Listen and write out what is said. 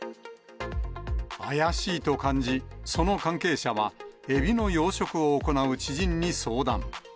怪しいと感じ、その関係者は、エビの養殖を行う知人に相談。